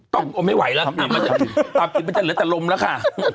ไม่ไหวแล้วตาบกิบมันจะเหลือแต่ลมแล้วค่ะ